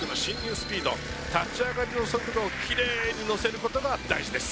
スピード立ち上がりの速度をキレイに乗せることが大事です